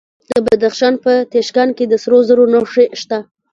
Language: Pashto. د بدخشان په تیشکان کې د سرو زرو نښې شته.